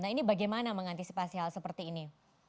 nah ini bagaimana mengantisipasi hal seperti ini